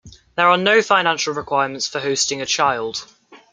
There are no financial requirements for hosting a child.